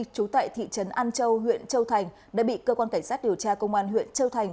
trú tại thị trấn an châu huyện châu thành đã bị cơ quan cảnh sát điều tra công an huyện châu thành